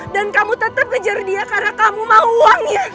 dan kamu tetep kejar dia karena kamu mau uangnya